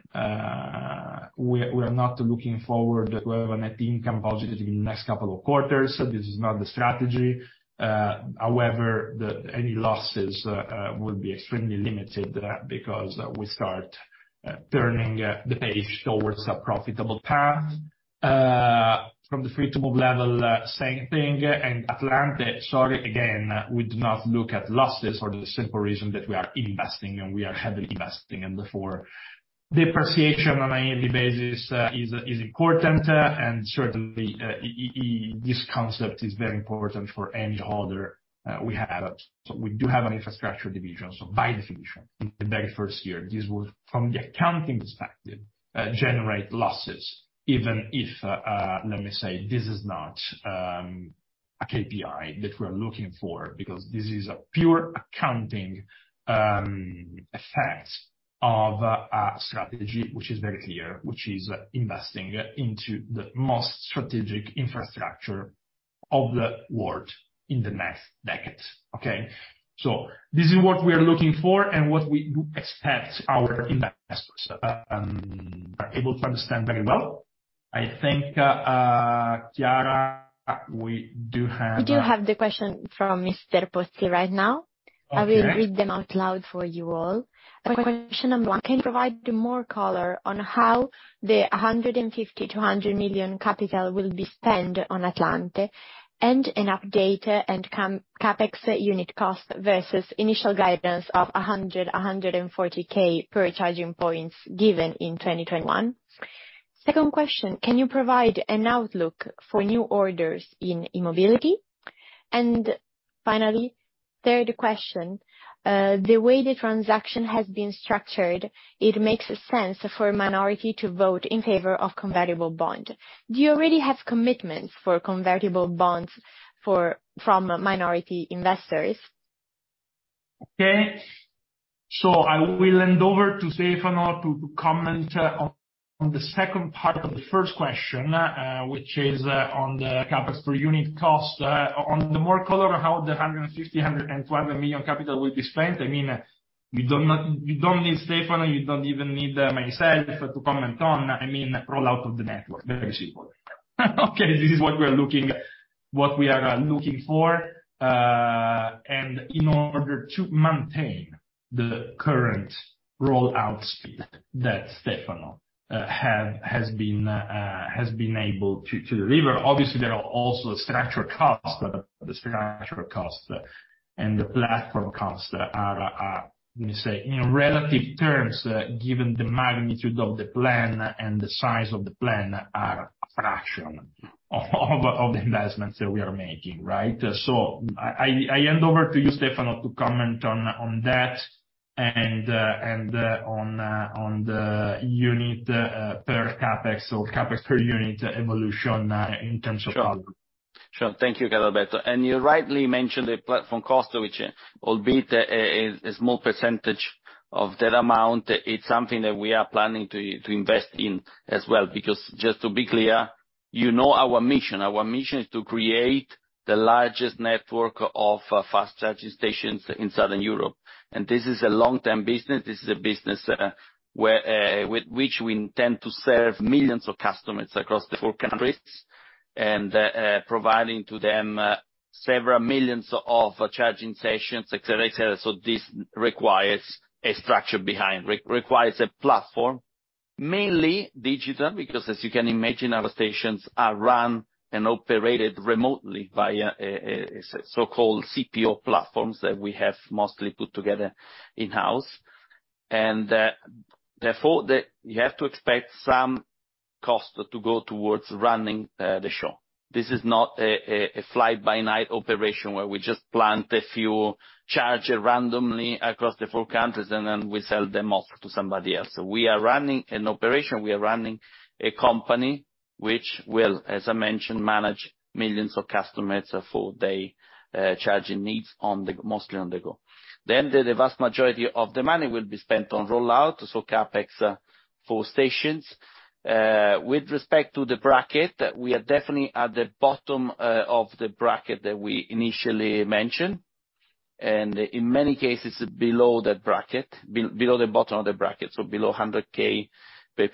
We are not looking forward to have a net income positive in the next couple of quarters. This is not the strategy. However, any losses will be extremely limited because we start turning the page towards a profitable path. From the Free2move level, same thing. Atlante, sorry, again, we do not look at losses for the simple reason that we are investing, and we are heavily investing and therefore depreciation on an annual basis is important, and certainly, this concept is very important for any holder we have. We do have an infrastructure division, so by definition in the very first year this would, from the accounting perspective, generate losses even if, let me say this is not a KPI that we are looking for because this is a pure accounting effect of a strategy which is very clear, which is investing into the most strategic infrastructure of the world in the next decade. Okay? This is what we are looking for and what we do expect our investors are able to understand very well. I think Chiara, we do have. We do have the question from Mr. Pozzi right now. I will read them out loud for you all. Question number one: Can you provide more color on how the 150 million, 200 million capital will be spent on Atlante and an update and CAPEX unit cost versus initial guidance of 100K, 140K per charging points given in 2021? Second question: Can you provide an outlook for new orders in e-mobility? Finally, third question: The way the transaction has been structured, it makes sense for a minority to vote in favor of convertible bond. Do you already have commitments for convertible bonds from minority investors? Okay, I will hand over to Stefano to comment on the second part of the first question, which is on the CapEx per unit cost. On the more color how the 150 million and 200 million capital will be spent, I mean, you don't need Stefano, you don't even need myself to comment on, I mean, rollout of the network. Very simple. Okay. This is what we are looking, what we are looking for. And in order to maintain the current rollout speed that Stefano has been able to deliver, obviously there are also structural costs. The structural costs and the platform costs are, let me say, in relative terms, given the magnitude of the plan and the size of the plan, are a fraction of the investments that we are making, right? I hand over to you, Stefano, to comment on that and on the unit per CapEx or CapEx per unit evolution. Sure, sure. Thank you, Carlalberto. You rightly mentioned the platform cost, which albeit a small percentage of that amount, it's something that we are planning to invest in as well. Because just to be clear, you know our mission. Our mission is to create the largest network of fast charging stations in Southern Europe. This is a long-term business. This is a business where which we intend to serve millions of customers across the four countries and providing to them several millions of charging stations et cetera, et cetera. This requires a structure behind, requires a platform. Mainly digital, because as you can imagine, our stations are run and operated remotely via a so-called CPO platforms that we have mostly put together in-house. Therefore, you have to expect some costs to go towards running the show. This is not a fly-by-night operation where we just plant a few charger randomly across the four countries, and then we sell them off to somebody else. We are running an operation, we are running a company which will, as I mentioned, manage millions of customers for their charging needs mostly on the go. The vast majority of the money will be spent on rollout, so CapEx for stations. With respect to the bracket, we are definitely at the bottom of the bracket that we initially mentioned, and in many cases below that bracket, below the bottom of the bracket, so below 100K per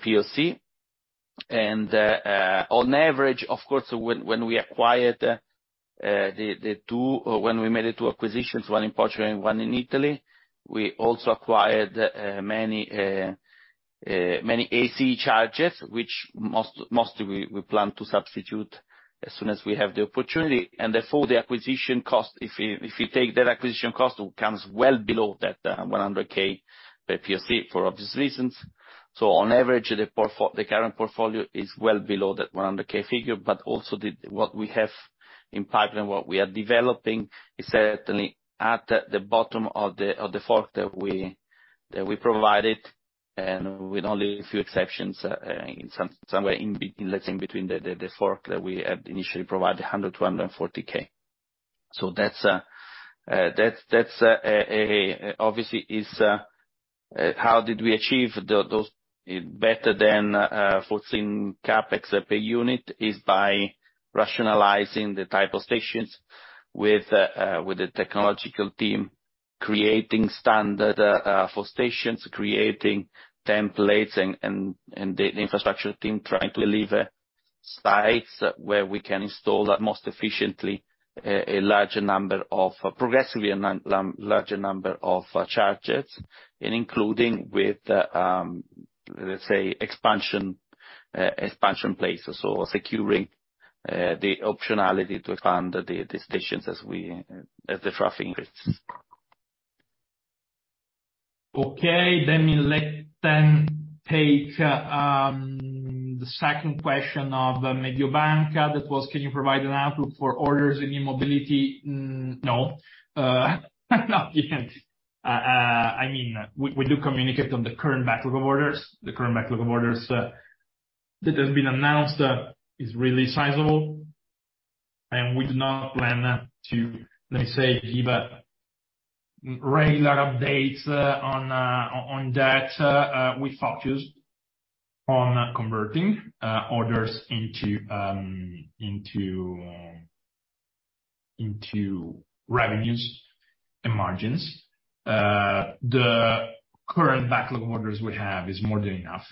POC. On average, of course, when we acquired, when we made two acquisitions, one in Portugal and one in Italy, we also acquired many AC chargers, which mostly we plan to substitute as soon as we have the opportunity. Therefore, the acquisition cost, if you take that acquisition cost, it comes well below that 100K per POC for obvious reasons. On average, the current portfolio is well below that 100K figure. Also what we have in pipeline, what we are developing is certainly at the bottom of the fork that we provided. With only a few exceptions, in some, somewhere in, let's say, in between the fork that we had initially provided 100K-140K. That's obviously is, how did we achieve those better than foreseen CapEx per unit is by rationalizing the type of stations with the technological team, creating standard for stations, creating templates and the infrastructure team trying to deliver sites where we can install the most efficiently a larger number of... progressively a larger number of chargers, and including with, let's say, expansion places, so securing the optionality to expand the stations as we as the traffic increases. Okay. Let me then take the second question of Mediobanca that was, can you provide an outlook for orders in e-mobility? No. Not yet. I mean, we do communicate on the current backlog of orders. The current backlog of orders that has been announced is really sizable, and we do not plan to, let me say, give a regular update on that. We focus on converting orders into revenues and margins. The current backlog orders we have is more than enough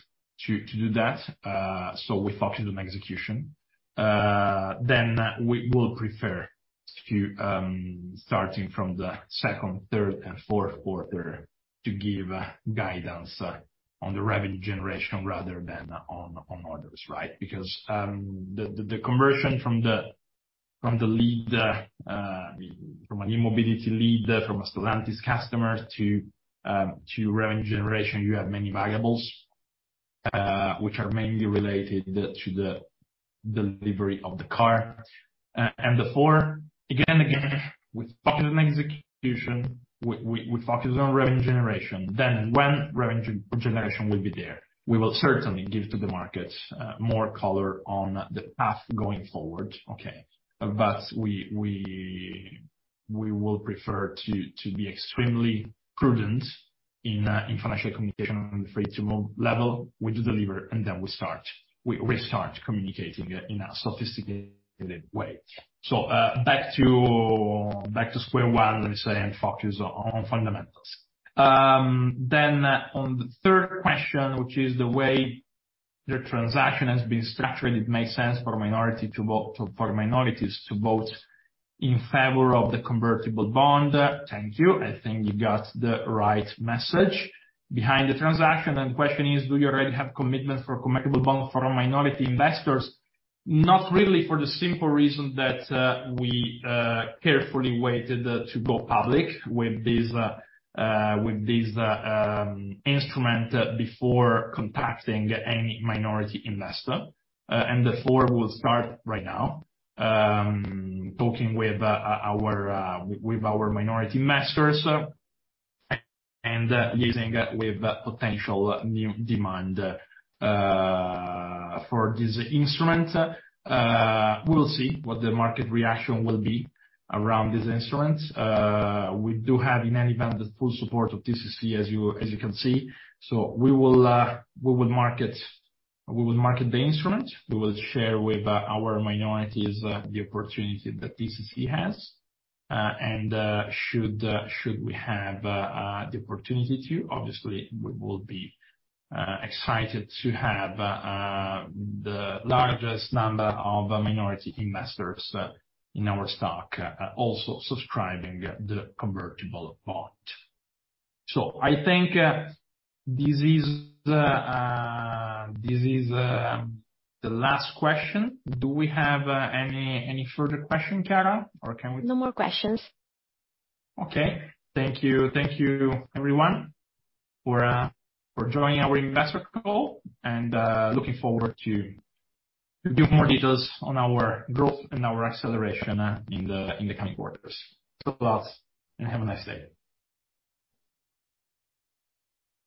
to do that, we focus on execution. We will prefer to, starting from the second, third and fourth quarter to give guidance on the revenue generation rather than on orders, right? Because the conversion from the lead from a e-mobility lead from a Stellantis customer to revenue generation, you have many variables which are mainly related to the delivery of the car. Therefore, again, we focus on execution, we focus on revenue generation. When revenue generation will be there, we will certainly give to the markets more color on the path going forward, okay? We will prefer to be extremely prudent in financial communication on the Free2move level. We do deliver, and then we start communicating in a sophisticated way. Back to square one, let me say, and focus on fundamentals. On the third question, which is the way the transaction has been structured, it makes sense for minorities to vote in favor of the convertible bond. Thank you. I think you got the right message behind the transaction. Question is, do you already have commitment for convertible bond from minority investors? Not really for the simple reason that we carefully waited to go public with this instrument before contacting any minority investor. Therefore we'll start right now talking with our minority investors and liaising with potential new demand for this instrument. We'll see what the market reaction will be around this instrument. We do have, in any event, the full support of TCC as you can see. We will market the instrument. We will share with our minorities the opportunity that TCC has. Should we have the opportunity to, obviously we will be excited to have the largest number of minority investors in our stock, also subscribing the convertible bond. I think this is the last question. Do we have any further question, Chiara, or can we— No more questions. Okay. Thank you. Thank you everyone for joining our investor call and looking forward to give more details on our growth and our acceleration in the coming quarters. Thanks, and have a nice day.